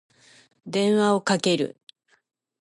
電話をかける。